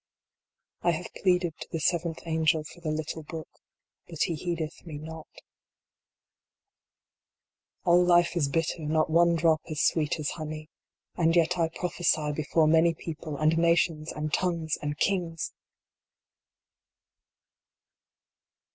I have pleaded to the seventh angel for the little book. But he heedeth me not. 52 INJTO THE DEPTHS. All life is bitter, not one drop as sweet as honey. And yet I prophesy before many people, and nations, and tongues, and kings